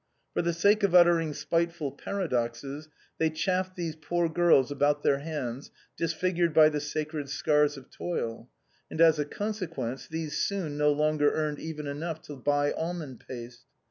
For the sake of uttering spiteful paradoxes, they chaffed these poor girls about their hands, disfigured by the sacred scars of toil, and as a consequence these soon no longer earned even enough to buy almond paste.